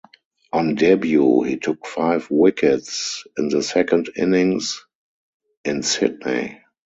On debut, he took five wickets in the second innings in Sydney.